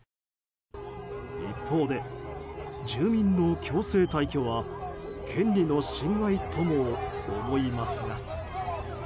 一方で住民の強制退去は権利の侵害とも思いますが。